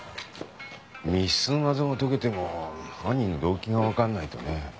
密室の謎が解けても犯人の動機が分かんないとね。